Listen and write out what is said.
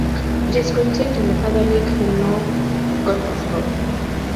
It is contained in the Catholic hymnal "Gotteslob".